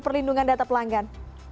perlindungan data pelanggan